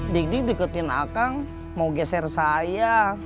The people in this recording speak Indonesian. dik dik diketin akang mau geser saya